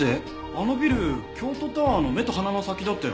あのビル京都タワーの目と鼻の先だったよ。